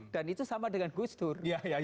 dan itu sama dengan gus dur